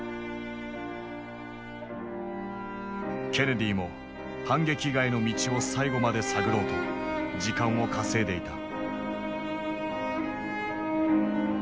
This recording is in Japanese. ケネディも反撃以外の道を最後まで探ろうと時間を稼いでいた。